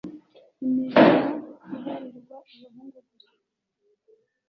imirimo iharirwa abahungu gusa